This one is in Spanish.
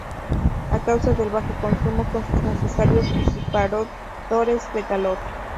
A causa del bajo consumo no son necesarios disipadores de calor.